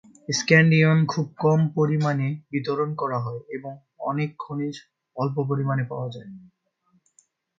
Scandium খুব কম পরিমাণে বিতরণ করা হয় এবং অনেক খনিজে অল্প পরিমাণে পাওয়া যায়।